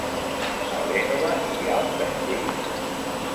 A l'Énova hi ha un castell?